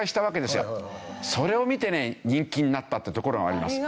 それを見てね人気になったってところがあります。